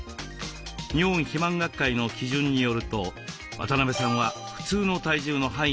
日本肥満学会の基準によると渡邊さんは普通の体重の範囲に収まっています。